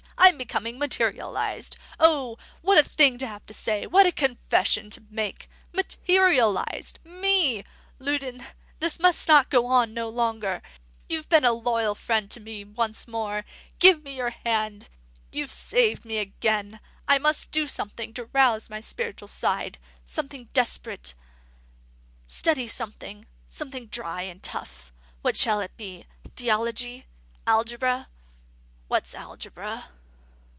I'm becoming materialised. O, what a thing to have to say, what a confession to make! Materialised! Me! Loudon, this must go on no longer. You've been a loyal friend to me once more; give me your hand! you've saved me again. I must do something to rouse the spiritual side; something desperate; study something, something dry and tough. What shall it be? Theology? Algebra? What's Algebra?"